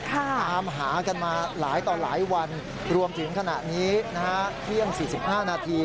ครับตามหากันมาหลายต่อหลายวันรวมถึงขณะนี้นะฮะเที่ยมสี่สิบห้านาที